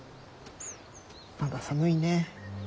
まだ寒いね。